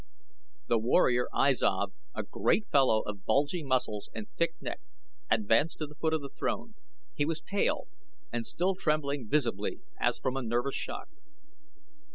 The warrior I Zav, a great fellow of bulging muscles and thick neck, advanced to the foot of the throne. He was pale and still trembling visibly as from a nervous shock.